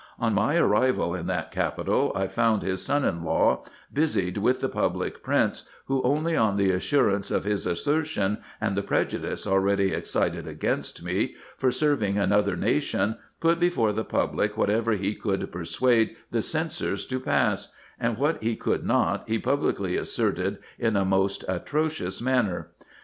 On my arrival in that capital, I found his son in law busied with the public prints, who, only on the assurance of his assertion, and the prejudice already excited against me, lor serving another nation, put before the public what ever he could persuade the censors to pass, and what he could not, he publicly asserted in a most atrocious manner.